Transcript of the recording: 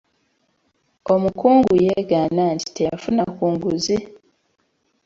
Omukungu yeegaana nti teyafuna ku nguzi.